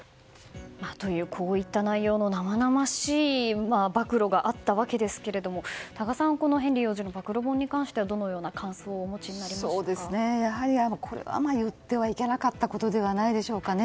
こういった内容の生々しい暴露があったわけですが多賀さん、このヘンリー王子の暴露本に関してはこれは言ってはいけなかったことではないでしょうかね。